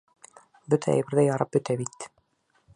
Бөтә әйберҙе ярып бөтә бит!